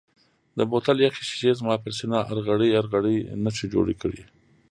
د بوتل یخې شیشې زما پر سینه ارغړۍ ارغړۍ نښې جوړې کړې.